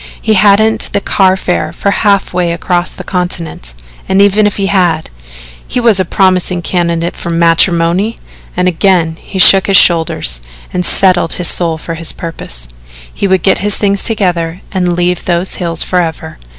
He hadn't the car fare for half way across the continent and even if he had, he was a promising candidate for matrimony! and again he shook his shoulders and settled his soul for his purpose. He would get his things together and leave those hills forever.